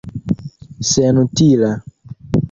senutila